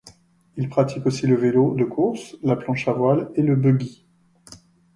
Il pratique aussi le vélo de course, la planche à voile et le buggy.